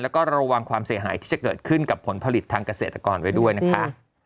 แล้วก็ระวังความเสียหายที่จะเกิดขึ้นกับผลผลิตทางเกษตรกรไว้ด้วยนะคะ